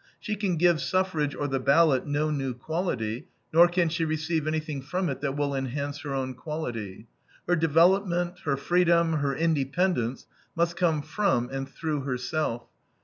She can give suffrage or the ballot no new quality, nor can she receive anything from it that will enhance her own quality. Her development, her freedom, her independence, must come from and through herself.